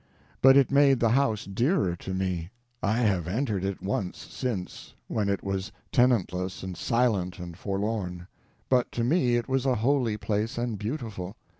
But it made the house dearer to me. I have entered it once since, when it was tenantless and silent and forlorn, but to me it was a holy place and beautiful.